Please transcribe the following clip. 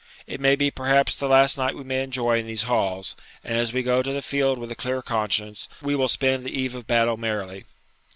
It may be perhaps the last night we may enjoy in these halls, and as we go to the field with a clear conscience, we will spend the eve of battle merrily.'